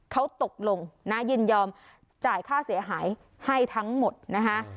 เขาตกลงนะยินยอมจ่ายค่าเสียหายให้ทั้งหมดนะคะ